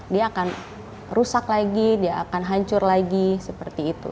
dia akan rusak lagi dia akan hancur lagi seperti itu